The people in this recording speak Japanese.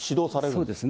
そうですね。